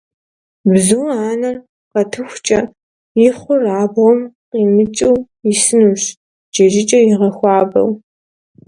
Бзу анэр къэтыхукӀэ, и хъур абгъуэм къимыкӀыу исынущ, джэдыкӀэр игъэхуабэу.